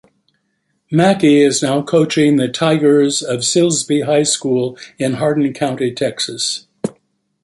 Mackey is now coaching the Tigers of Silsbee High School in Hardin County, Texas.